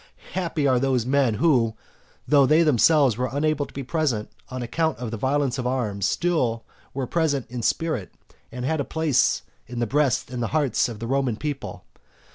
happy are those men who, though they themselves were unable to be present on account of the violence of arms, still were present in spirit, and had a place in the breasts and hearts of the Roman people.